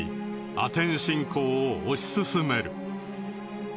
アテン信仰を推し進める。